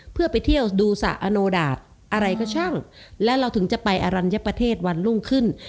เพื่อไปเที่ยวดูสระอโนดาตอะไรก็ช่างและเราถึงจะไปอรัญญประเทศวันรุ่งขึ้น